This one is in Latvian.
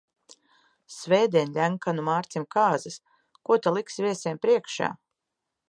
Svētdien Ļenkanu Mārcim kāzas, ko ta liks viesiem priekšā?